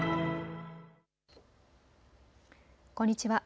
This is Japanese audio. こんにちは。